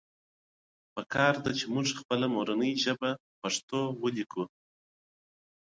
پکار ده چې مونږ خپله مورنۍ ژبه پښتو وليکو